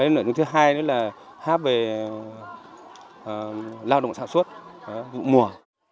nội dung thứ hai là hát về lao động sản xuất vụ mùa